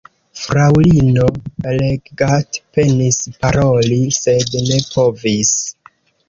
Fraŭlino Leggat penis paroli, sed ne povis.